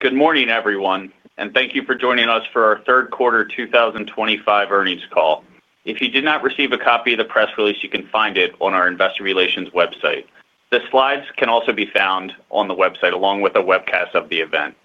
Good morning, everyone, and thank you for joining us for our third quarter 2025 earnings call. If you did not receive a copy of the press release, you can find it on our investor relations website. The slides can also be found on the website along with a webcast of the event.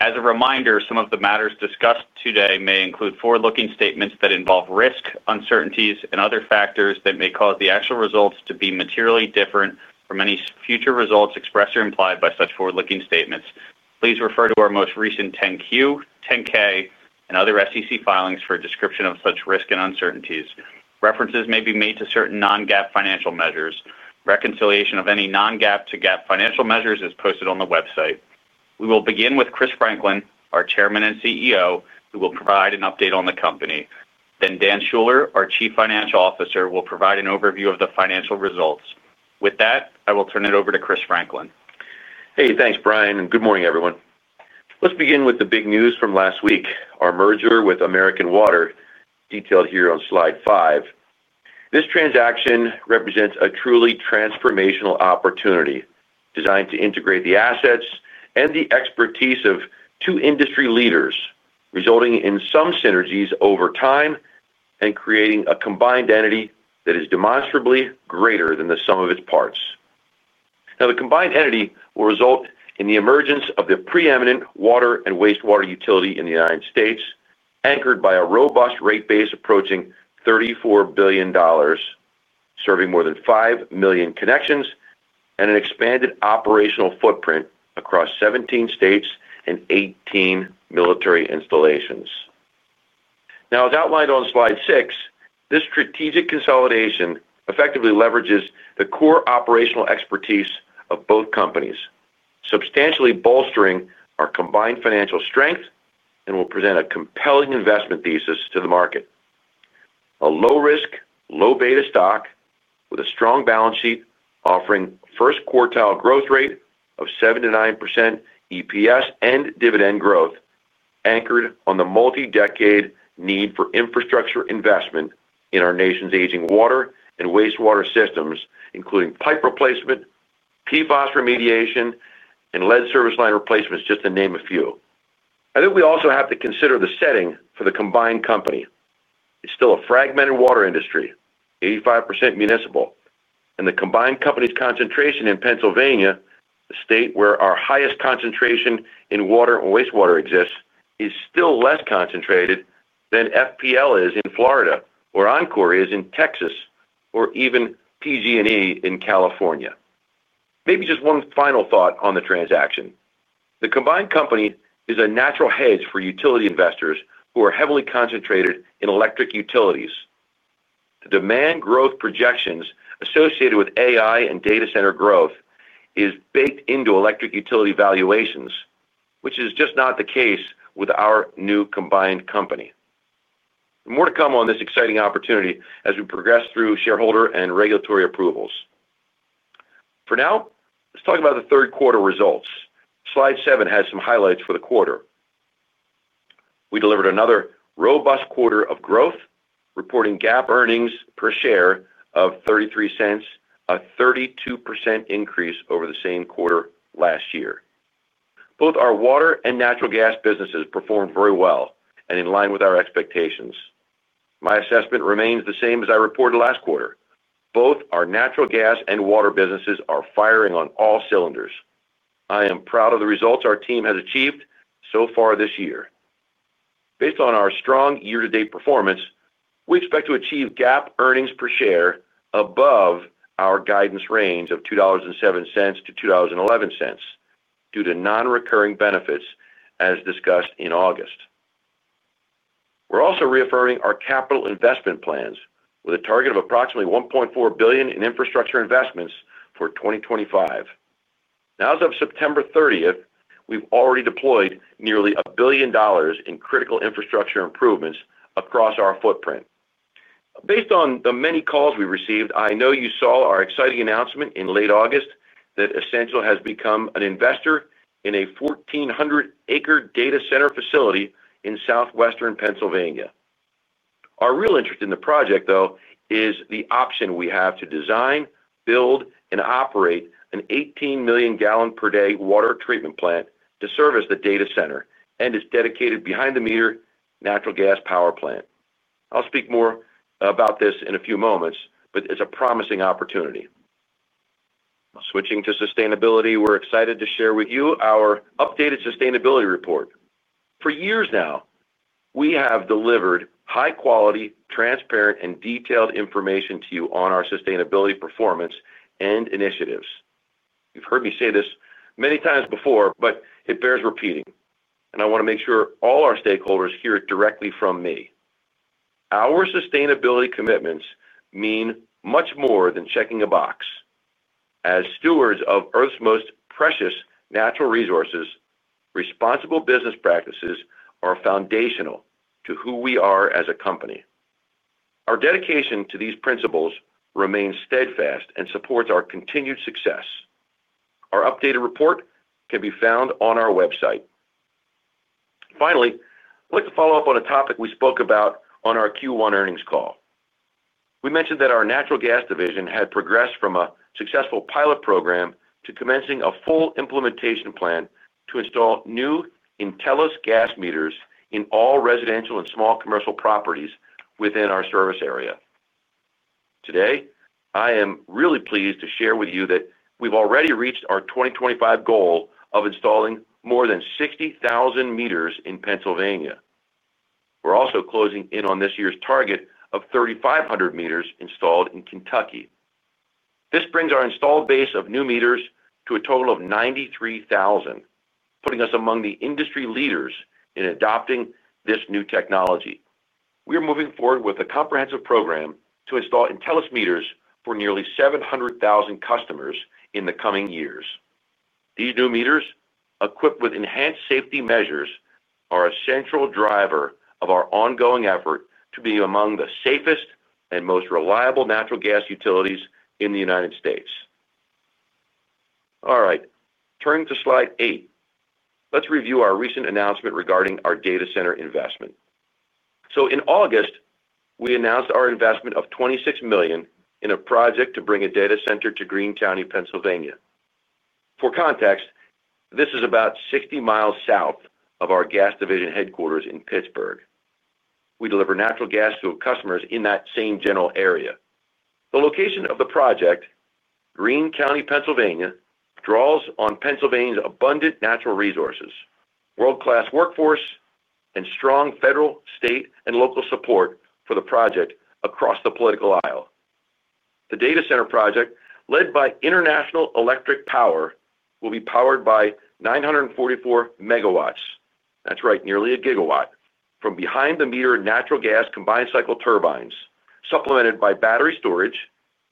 As a reminder, some of the matters discussed today may include forward-looking statements that involve risk, uncertainties, and other factors that may cause the actual results to be materially different from any future results expressed or implied by such forward-looking statements. Please refer to our most recent 10-Q, 10-K, and other SEC filings for a description of such risk and uncertainties. References may be made to certain non-GAAP financial measures. Reconciliation of any non-GAAP to GAAP financial measures is posted on the website. We will begin with Chris Franklin, our Chairman and CEO, who will provide an update on the company. Then Dan Schuller, our Chief Financial Officer, will provide an overview of the financial results. With that, I will turn it over to Chris Franklin. Hey, thanks, Brian, and good morning, everyone. Let's begin with the big news from last week, our merger with American Water, detailed here on slide five. This transaction represents a truly transformational opportunity designed to integrate the assets and the expertise of two industry leaders, resulting in some synergies over time and creating a combined entity that is demonstrably greater than the sum of its parts. Now, the combined entity will result in the emergence of the preeminent water and wastewater utility in the United States, anchored by a robust rate base approaching $34 billion. Serving more than 5 million connections and an expanded operational footprint across 17 states and 18 military installations. Now, as outlined on slide six, this strategic consolidation effectively leverages the core operational expertise of both companies, substantially bolstering our combined financial strength and will present a compelling investment thesis to the market. A low-risk, low-beta stock with a strong balance sheet offering first quartile growth rate of 7%-9% EPS and dividend growth, anchored on the multi-decade need for infrastructure investment in our nation's aging water and wastewater systems, including pipe replacement, PFAS remediation, and lead service line replacements, just to name a few. I think we also have to consider the setting for the combined company. It's still a fragmented water industry, 85% municipal, and the combined company's concentration in Pennsylvania, the state where our highest concentration in water and wastewater exists, is still less concentrated than FPL is in Florida or Oncor is in Texas or even PG&E in California. Maybe just one final thought on the transaction. The combined company is a natural hedge for utility investors who are heavily concentrated in electric utilities. The demand growth projections associated with AI and data center growth are baked into electric utility valuations, which is just not the case with our new combined company. More to come on this exciting opportunity as we progress through shareholder and regulatory approvals. For now, let's talk about the third quarter results. Slide seven has some highlights for the quarter. We delivered another robust quarter of growth, reporting GAAP earnings per share of $0.33, a 32% increase over the same quarter last year. Both our water and natural gas businesses performed very well and in line with our expectations. My assessment remains the same as I reported last quarter. Both our natural gas and water businesses are firing on all cylinders. I am proud of the results our team has achieved so far this year. Based on our strong year-to-date performance, we expect to achieve GAAP earnings per share above our guidance range of $2.07-$2.11 due to non-recurring benefits as discussed in August. We're also reaffirming our capital investment plans with a target of approximately $1.4 billion in infrastructure investments for 2025. Now, as of September 30th, we've already deployed nearly $1 billion in critical infrastructure improvements across our footprint. Based on the many calls we received, I know you saw our exciting announcement in late August that Essential has become an investor in a 1,400-acre data center facility in southwestern Pennsylvania. Our real interest in the project, though, is the option we have to design, build, and operate an 18 million-gallon-per-day water treatment plant to service the data center and its dedicated behind-the-meter natural gas power plant. I'll speak more about this in a few moments, but it's a promising opportunity. Switching to sustainability, we're excited to share with you our updated sustainability report. For years now, we have delivered high-quality, transparent, and detailed information to you on our sustainability performance and initiatives. You've heard me say this many times before, but it bears repeating, and I want to make sure all our stakeholders hear it directly from me. Our sustainability commitments mean much more than checking a box. As stewards of Earth's most precious natural resources, responsible business practices are foundational to who we are as a company. Our dedication to these principles remains steadfast and supports our continued success. Our updated report can be found on our website. Finally, I'd like to follow up on a topic we spoke about on our Q1 earnings call. We mentioned that our natural gas division had progressed from a successful pilot program to commencing a full implementation plan to install new Intelis gas meters in all residential and small commercial properties within our service area. Today, I am really pleased to share with you that we've already reached our 2025 goal of installing more than 60,000 meters in Pennsylvania. We're also closing in on this year's target of 3,500 meters installed in Kentucky. This brings our installed base of new meters to a total of 93,000, putting us among the industry leaders in adopting this new technology. We are moving forward with a comprehensive program to install Intelis meters for nearly 700,000 customers in the coming years. These new meters, equipped with enhanced safety measures, are a central driver of our ongoing effort to be among the safest and most reliable natural gas utilities in the United States. All right, turning to slide eight, let's review our recent announcement regarding our data center investment. In August, we announced our investment of $26 million in a project to bring a data center to Greene County, Pennsylvania. For context, this is about 60 mi south of our gas division headquarters in Pittsburgh. We deliver natural gas to customers in that same general area. The location of the project, Greene County, Pennsylvania, draws on Pennsylvania's abundant natural resources, world-class workforce, and strong federal, state, and local support for the project across the political aisle. The data center project, led by International Electric Power, will be powered by 944 MW. That's right, nearly 1 GW, from behind-the-meter natural gas combined cycle turbines, supplemented by battery storage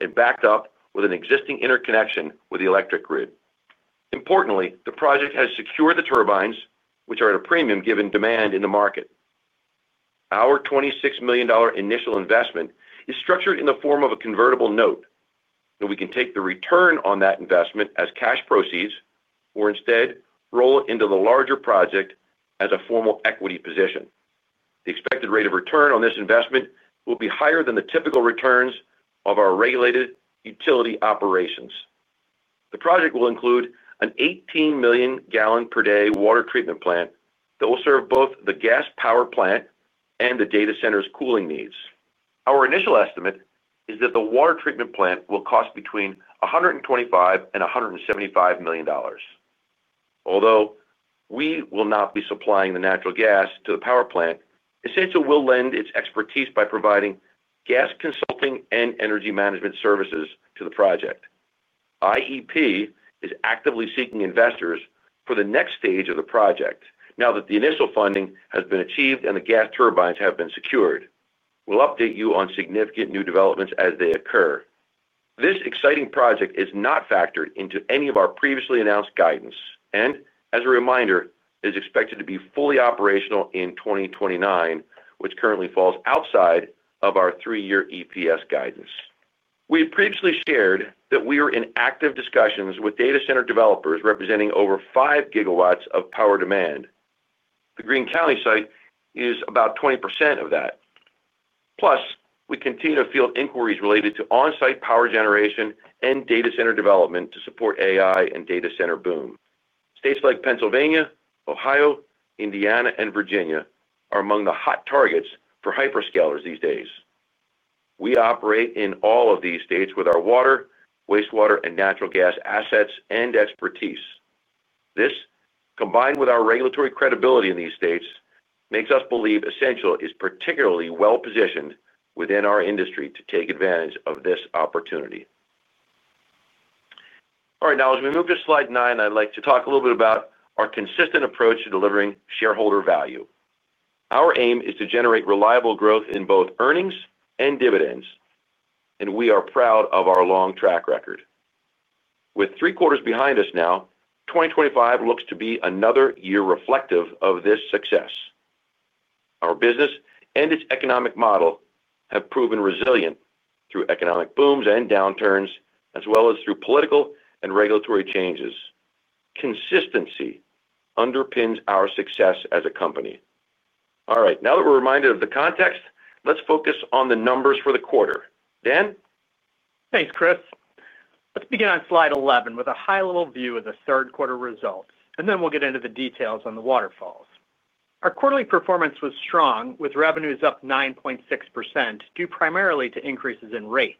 and backed up with an existing interconnection with the electric grid. Importantly, the project has secured the turbines, which are at a premium given demand in the market. Our $26 million initial investment is structured in the form of a convertible note, and we can take the return on that investment as cash proceeds or instead roll it into the larger project as a formal equity position. The expected rate of return on this investment will be higher than the typical returns of our regulated utility operations. The project will include an 18 million-gallon-per-day water treatment plant that will serve both the gas power plant and the data center's cooling needs. Our initial estimate is that the water treatment plant will cost between $125 million and $175 million. Although we will not be supplying the natural gas to the power plant, Essential will lend its expertise by providing gas consulting and energy management services to the project. IEP is actively seeking investors for the next stage of the project now that the initial funding has been achieved and the gas turbines have been secured. We'll update you on significant new developments as they occur. This exciting project is not factored into any of our previously announced guidance and, as a reminder, is expected to be fully operational in 2029, which currently falls outside of our three-year EPS guidance. We had previously shared that we are in active discussions with data center developers representing over 5 GW of power demand. The Greene County site is about 20% of that. Plus, we continue to field inquiries related to on-site power generation and data center development to support AI and data center boom. States like Pennsylvania, Ohio, Indiana, and Virginia are among the hot targets for hyperscalers these days. We operate in all of these states with our water, wastewater, and natural gas assets and expertise. This, combined with our regulatory credibility in these states, makes us believe Essential is particularly well-positioned within our industry to take advantage of this opportunity. All right, now, as we move to slide nine, I'd like to talk a little bit about our consistent approach to delivering shareholder value. Our aim is to generate reliable growth in both earnings and dividends, and we are proud of our long track record. With three quarters behind us now, 2025 looks to be another year reflective of this success. Our business and its economic model have proven resilient through economic booms and downturns, as well as through political and regulatory changes. Consistency underpins our success as a company. All right, now that we're reminded of the context, let's focus on the numbers for the quarter. Dan? Thanks, Chris. Let's begin on slide 11 with a high-level view of the third quarter results, and then we'll get into the details on the waterfalls. Our quarterly performance was strong, with revenues up 9.6% due primarily to increases in rates.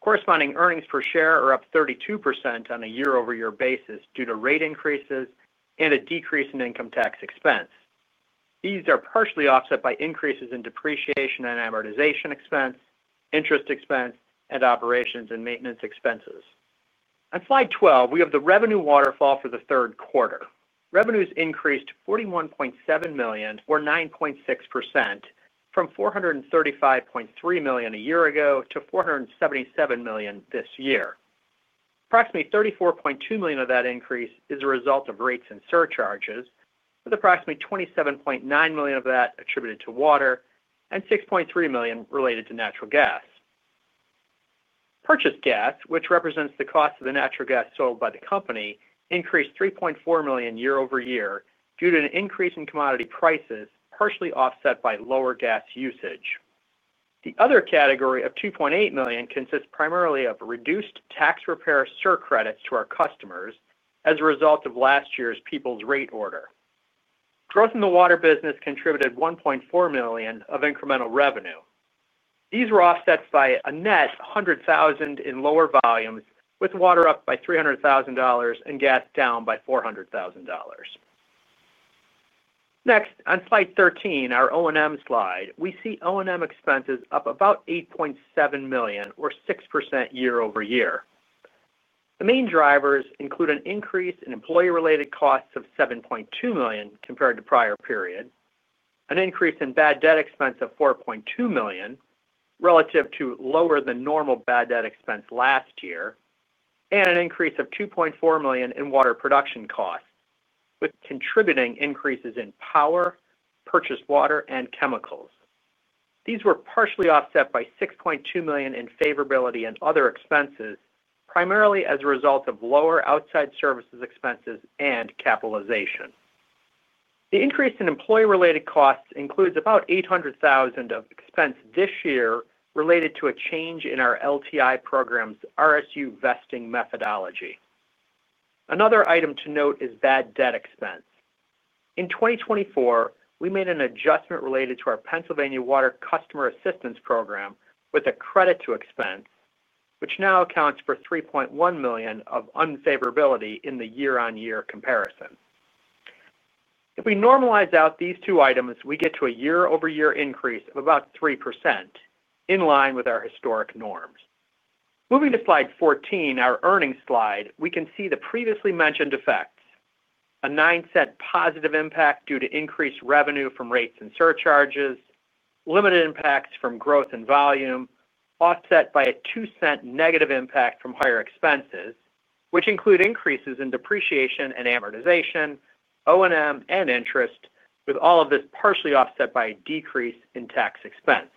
Corresponding earnings per share are up 32% on a year-over-year basis due to rate increases and a decrease in income tax expense. These are partially offset by increases in depreciation and amortization expense, interest expense, and operations and maintenance expenses. On slide 12, we have the revenue waterfall for the third quarter. Revenues increased $41.7 million, or 9.6%, from $435.3 million a year ago to $477 million this year. Approximately $34.2 million of that increase is a result of rates and surcharges, with approximately $27.9 million of that attributed to water and $6.3 million related to natural gas. Purchased gas, which represents the cost of the natural gas sold by the company, increased $3.4 million year-over-year due to an increase in commodity prices, partially offset by lower gas usage. The other category of $2.8 million consists primarily of reduced tax repair surcredits to our customers as a result of last year's Peoples rate order. Growth in the water business contributed $1.4 million of incremental revenue. These were offset by a net $100,000 in lower volumes, with water up by $300,000 and gas down by $400,000. Next, on slide 13, our O&M slide, we see O&M expenses up about $8.7 million, or 6% year-over-year. The main drivers include an increase in employee-related costs of $7.2 million compared to prior period. An increase in bad debt expense of $4.2 million. Relative to lower than normal bad debt expense last year, and an increase of $2.4 million in water production costs, with contributing increases in power, purchased water, and chemicals. These were partially offset by $6.2 million in favorability in other expenses, primarily as a result of lower outside services expenses and capitalization. The increase in employee-related costs includes about $800,000 of expense this year related to a change in our LTI program's RSU vesting methodology. Another item to note is bad debt expense. In 2024, we made an adjustment related to our Pennsylvania Water Customer Assistance Program with a credit to expense, which now accounts for $3.1 million of unfavorability in the year-on-year comparison. If we normalize out these two items, we get to a year-over-year increase of about 3%. In line with our historic norms. Moving to slide 14, our earnings slide, we can see the previously mentioned effects. A $0.09 positive impact due to increased revenue from rates and surcharges, limited impacts from growth and volume, offset by a $0.02 negative impact from higher expenses, which include increases in depreciation and amortization, O&M, and interest, with all of this partially offset by a decrease in tax expense.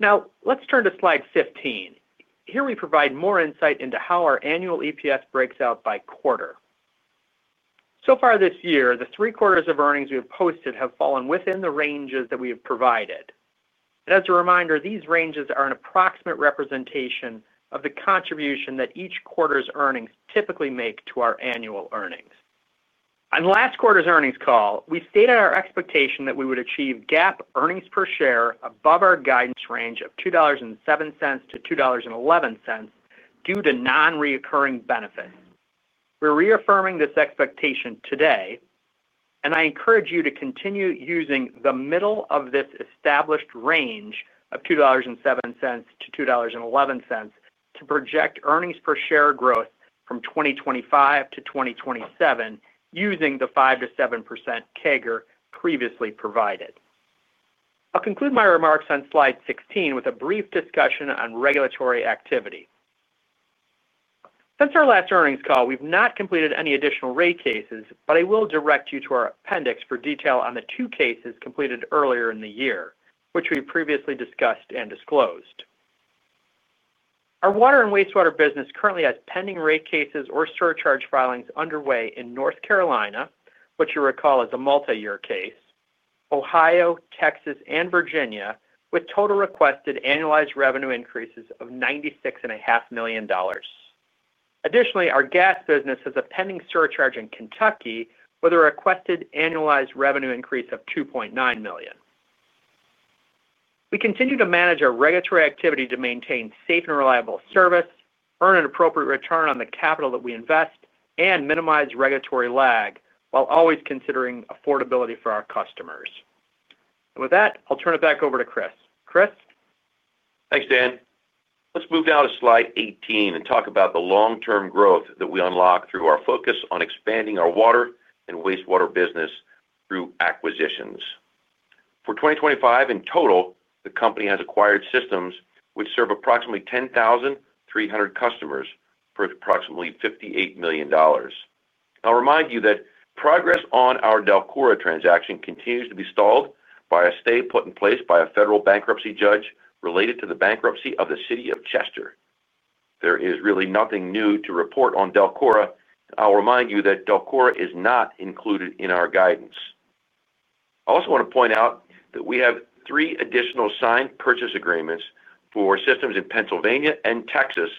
Now, let's turn to slide 15. Here, we provide more insight into how our annual EPS breaks out by quarter. So far this year, the three quarters of earnings we have posted have fallen within the ranges that we have provided. As a reminder, these ranges are an approximate representation of the contribution that each quarter's earnings typically make to our annual earnings. On last quarter's earnings call, we stated our expectation that we would achieve GAAP earnings per share above our guidance range of $2.07-$2.11 due to non-recurring benefits. We're reaffirming this expectation today. I encourage you to continue using the middle of this established range of $2.07-$2.11 to project earnings per share growth from 2025 to 2027 using the 5%-7% CAGR previously provided. I'll conclude my remarks on slide 16 with a brief discussion on regulatory activity. Since our last earnings call, we've not completed any additional rate cases, but I will direct you to our appendix for detail on the two cases completed earlier in the year, which we previously discussed and disclosed. Our water and wastewater business currently has pending rate cases or surcharge filings underway in North Carolina, which you recall is a multi-year case, Ohio, Texas, and Virginia, with total requested annualized revenue increases of $96.5 million. Additionally, our gas business has a pending surcharge in Kentucky with a requested annualized revenue increase of $2.9 million. We continue to manage our regulatory activity to maintain safe and reliable service, earn an appropriate return on the capital that we invest, and minimize regulatory lag while always considering affordability for our customers. With that, I'll turn it back over to Chris. Chris? Thanks, Dan. Let's move now to slide 18 and talk about the long-term growth that we unlock through our focus on expanding our water and wastewater business through acquisitions. For 2025, in total, the company has acquired systems which serve approximately 10,300 customers for approximately $58 million. I'll remind you that progress on our DELCORA transaction continues to be stalled by a stay put in place by a federal bankruptcy judge related to the bankruptcy of the city of Chester. There is really nothing new to report on DELCORA. I'll remind you that DELCORA is not included in our guidance. I also want to point out that we have three additional signed purchase agreements for systems in Pennsylvania and Texas,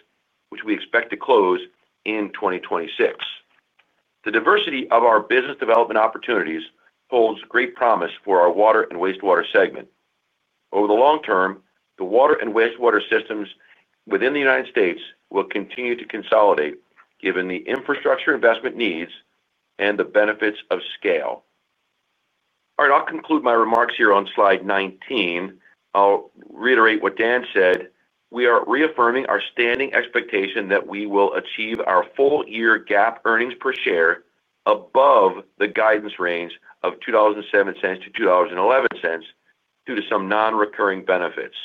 which we expect to close in 2026. The diversity of our business development opportunities holds great promise for our water and wastewater segment. Over the long term, the water and wastewater systems within the United States will continue to consolidate given the infrastructure investment needs and the benefits of scale. All right, I'll conclude my remarks here on slide 19. I'll reiterate what Dan said. We are reaffirming our standing expectation that we will achieve our full-year GAAP earnings per share above the guidance range of $2.07-$2.11 due to some non-recurring benefits.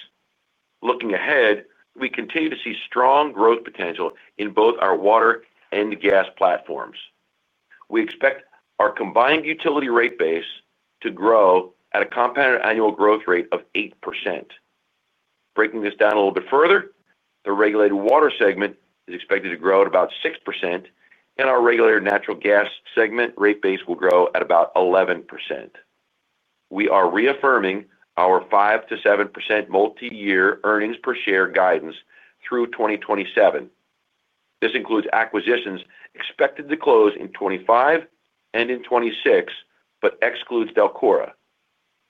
Looking ahead, we continue to see strong growth potential in both our water and gas platforms. We expect our combined utility rate base to grow at a compounded annual growth rate of 8%. Breaking this down a little bit further, the regulated water segment is expected to grow at about 6%, and our regulated natural gas segment rate base will grow at about 11%. We are reaffirming our 5%-7% multi-year earnings per share guidance through 2027. This includes acquisitions expected to close in 2025 and in 2026, but excludes DELCORA.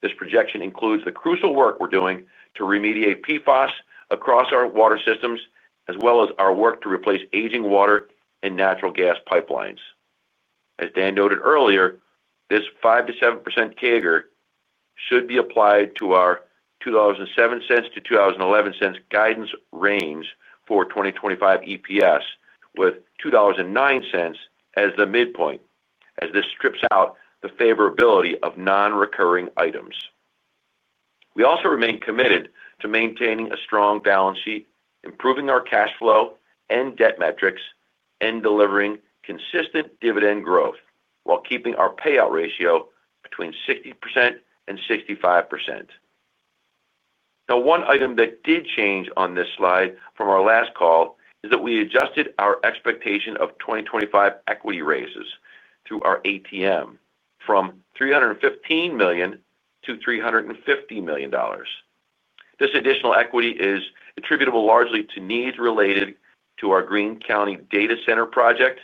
This projection includes the crucial work we're doing to remediate PFAS across our water systems, as well as our work to replace aging water and natural gas pipelines. As Dan noted earlier, this 5%-7% CAGR should be applied to our $2.07-$2.11 guidance range for 2025 EPS, with $2.09 as the midpoint, as this strips out the favorability of non-recurring items. We also remain committed to maintaining a strong balance sheet, improving our cash flow and debt metrics, and delivering consistent dividend growth while keeping our payout ratio between 60% and 65%. Now, one item that did change on this slide from our last call is that we adjusted our expectation of 2025 equity raises through our ATM from $315 million to $350 million. This additional equity is attributable largely to needs related to our Greene County data center project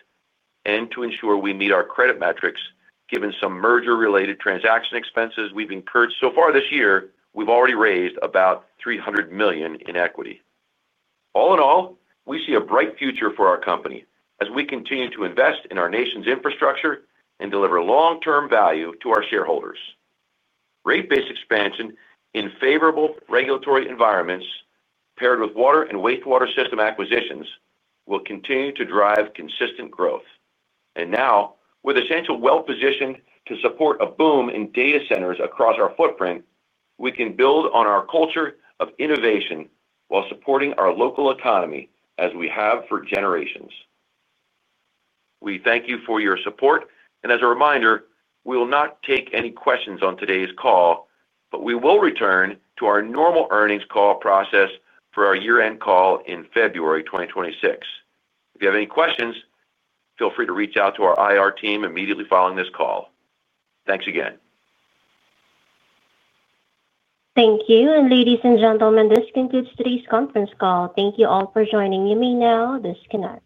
and to ensure we meet our credit metrics given some merger-related transaction expenses we've incurred so far this year. We've already raised about $300 million in equity. All in all, we see a bright future for our company as we continue to invest in our nation's infrastructure and deliver long-term value to our shareholders. Rate-based expansion in favorable regulatory environments, paired with water and wastewater system acquisitions, will continue to drive consistent growth. Now, with Essential well-positioned to support a boom in data centers across our footprint, we can build on our culture of innovation while supporting our local economy as we have for generations. We thank you for your support. As a reminder, we will not take any questions on today's call, but we will return to our normal earnings call process for our year-end call in February 2026. If you have any questions, feel free to reach out to our IR team immediately following this call. Thanks again. Thank you. Ladies and gentlemen, this concludes today's conference call. Thank you all for joining. You may now disconnect.